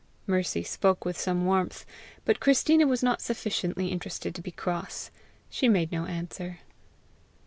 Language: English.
Mercy spoke with some warmth, but Christina was not sufficiently interested to be cross. She made no answer.